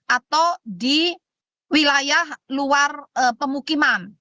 atau di wilayah luar pemukiman